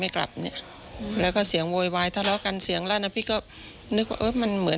คนที่มากับกลุ่มนี้ก็๓๔คนอยู่